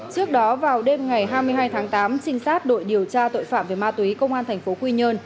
trước đó vào đêm ngày hai mươi hai tháng tám trinh sát đội điều tra tội phạm về ma túy công an thành phố quy nhơn